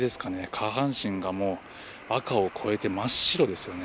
下半身が赤を超えて真っ白ですね。